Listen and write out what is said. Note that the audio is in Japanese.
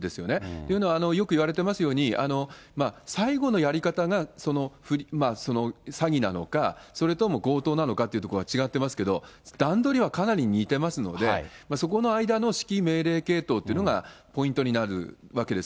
というのは、よくいわれていますように、最後のやり方が、詐欺なのか、それとも強盗なのかというところが違ってますけど、段取りはかなり似てますので、そこの間の指揮命令系統というのがポイントになるわけです。